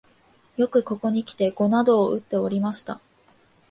よくここにきて碁などをうっておりました